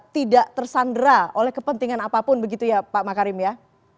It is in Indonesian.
tidak tersandra oleh kepentingan apapun begitu ya pak makarim ya